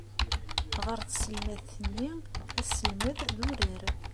Ɣer tselmadt-nni, asselmed d urar.